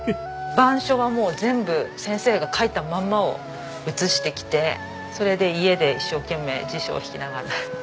板書はもう全部先生が書いたまんまを写してきてそれで家で一生懸命辞書を引きながら勉強しました。